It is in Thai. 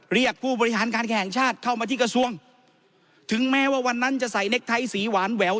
เรียกผู้บริหารการแข่งชาติเข้ามาที่กระทรวงถึงแม้ว่าวันนั้นจะใส่เน็กไทยสีหวานแหวว